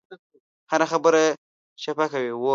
هره خبره چپه کوي.